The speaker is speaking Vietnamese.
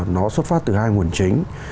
nó xuất phát từ hai nguồn chính